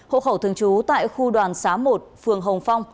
hộ khẩu thường trú tại khu đoàn xá một phường hồng phong